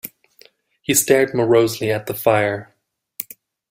He stared morosely at the fire.